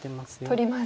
取ります。